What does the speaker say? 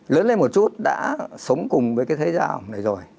lớn lên một chút đã sống cùng với cái thế giới ảo này rồi